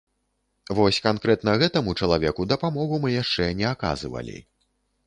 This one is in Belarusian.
Вось канкрэтна гэтаму чалавеку дапамогу мы яшчэ не аказывалі.